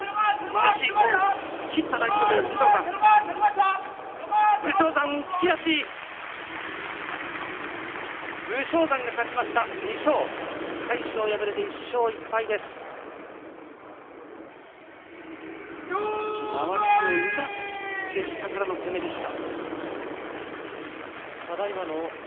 まわしをうまく切って下から攻めました。